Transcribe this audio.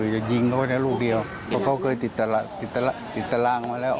จะยิงเขาไว้นะลูกเดียวเพราะเขาเคยติดตารางมาแล้ว